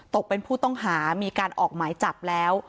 ตกเป็นผู้ต้องหามีการออกหมายจับแล้ว